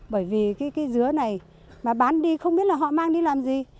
bởi vì cái dứa này mà bán đi không biết là họ mang đi làm gì